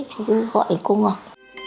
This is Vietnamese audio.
cứ gọi cô ngọc